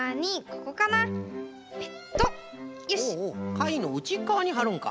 かいのうちっかわにはるのか。